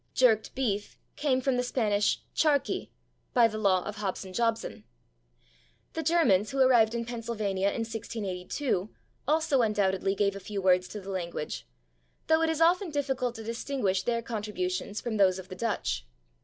/Jerked beef/ came from the Spanish /charqui/ by the law of Hobson Jobson. The Germans who arrived in Pennsylvania in 1682 also undoubtedly gave a few words to the language, though [Pg044] it is often difficult to distinguish their contributions from those of the Dutch.